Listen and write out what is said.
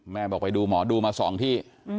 แม่บอกไปดูหมอดูมาสองที่